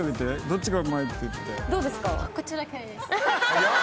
どうですか？